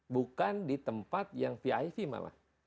bukan di tempat yang vip malah